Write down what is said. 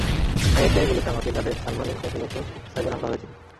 হ্যাঁ, এফবিআই বলেছে আমাকে, যাদের সার্ভারে গত বছর সাইবার হামলা করেছিলে।